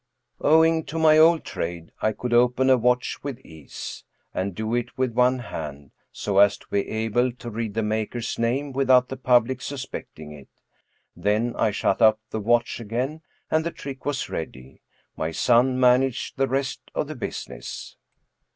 Owing to my old trade, I could open a watch with ease, and do it with one hand, so as to be able to read the maker's name without the public suspecting it: then I shut up the watch again and the trick was ready; my son managed the rest of the business.